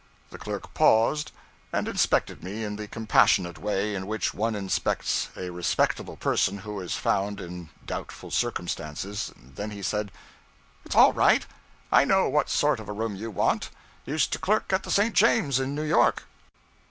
The clerk paused, and inspected me in the compassionate way in which one inspects a respectable person who is found in doubtful circumstances; then he said 'It's all right; I know what sort of a room you want. Used to clerk at the St. James, in New York.'